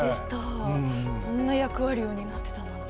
こんな役割を担ってたなんて。